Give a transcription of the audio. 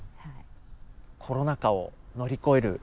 コロナ禍を乗り越えるヒント